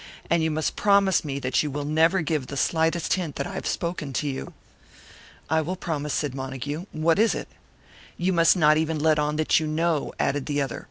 And you must promise me that you will never give the slightest hint that I have spoken to you." "I will promise," said Montague. "What is it?" "You must not even let on that you know," added the other.